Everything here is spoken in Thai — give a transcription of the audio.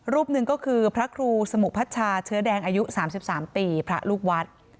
รูปหนึ่งก็คือพระครูสมุพัชชาเชื้อแดงอายุ๓๓ปีพระลูกวัด